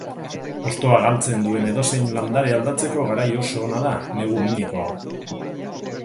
Hostoa galtzen duen edozein landare aldatzeko garai oso ona da negu mineko hau.